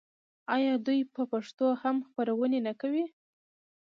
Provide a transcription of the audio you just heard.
آیا دوی په پښتو هم خپرونې نه کوي؟